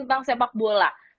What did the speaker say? tentang sepak bola